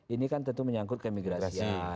ini kan tentu menyangkut ke imigrasi